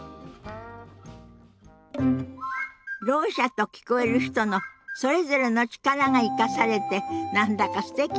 ろう者と聞こえる人のそれぞれの力が生かされて何だかすてきよね。